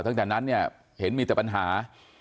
ตั้งแต่นั้นเนี่ยเห็นมีแต่ปัญหา